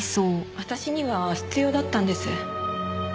私には必要だったんです。